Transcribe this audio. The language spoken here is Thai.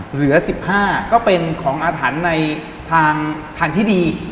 เหลือ๑๕ก็เป็นของอาถรรพ์ในทางที่ดี